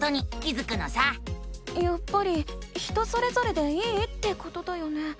やっぱり人それぞれでいいってことだよね？